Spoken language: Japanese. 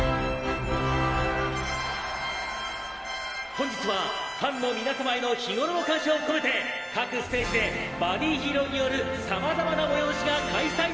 「本日はファンの皆様への日頃の感謝を込めて各ステージでバディヒーローによるさまざまな催しが開催されております」。